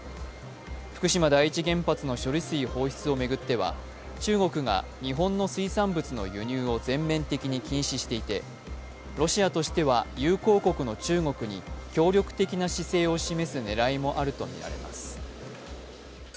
福島第一原発の処理水放出を巡っては中国が日本の水産物の輸入を全面的に禁止していてロシアとしては友好国の中国に協力的な姿勢を示す狙いもあるとみられます。